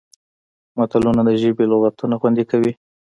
متلونه د ژبې لغتونه خوندي کوي